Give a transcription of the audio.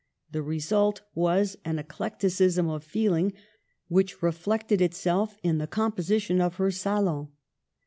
The result was an eclecticism of feeling, which reflected itself in the composition of her salon.